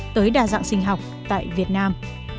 tới đa dạng sinh học tại việt nam